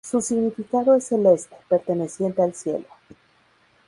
Su significado es "celeste, perteneciente al cielo".